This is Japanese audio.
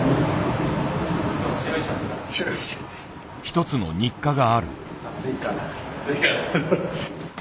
一つの日課がある。